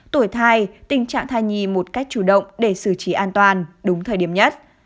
tuổi thai tình trạng thai nhì một cách chủ động để xử trí an toàn đúng thời điểm nhất